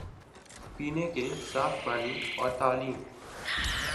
پینے کے صاف پانی اور تعلیم